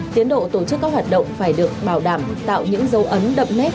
tiến độ tổ chức các hoạt động phải được bảo đảm tạo những dấu ấn đậm nét